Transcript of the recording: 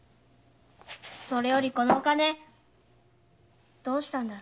それよりこのお金どうしたんだろう。